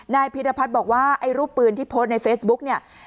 นายพิรพัฒน์บอกว่ารูปปืนที่โพสในเฟซบุ๊ก